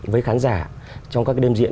với khán giả trong các đêm diễn